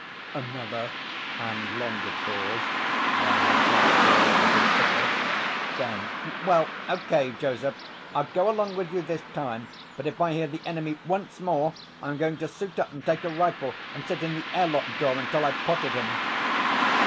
Another and longer pause, while my blood curdled a bit thicker, then, "Well, okay, Joseph, I'll go along with you this time. But if I hear the enemy once more, I'm going to suit up and take a rifle and sit in the airlock door until I've potted him."